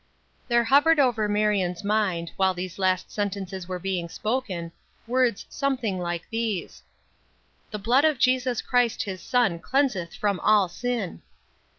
There hovered over Marion's mind, while these last sentences were being spoken, words something like these: "The blood of Jesus Christ his Son cleanseth from all sin."